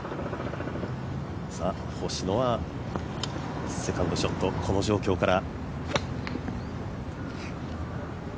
星野はセカンドショット、この状況から。